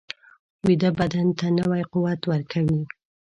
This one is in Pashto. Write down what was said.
ویده بدن ته نوی قوت ورکوي